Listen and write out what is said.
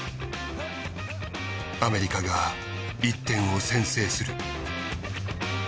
アメリカが１点を先制する。